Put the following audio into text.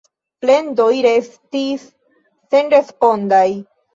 Plendoj restis senrespondaj.